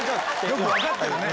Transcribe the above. よく分かってるね